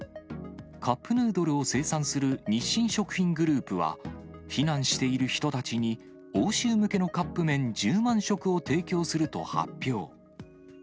カップヌードルを生産する日清食品グループは、避難している人たちに欧州向けのカップ麺１０万食を提供すると発表。